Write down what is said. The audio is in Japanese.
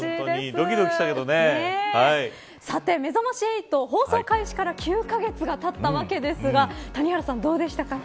さて、めざまし８放送開始から９カ月がたったわけですが谷原さん、どうでしたか。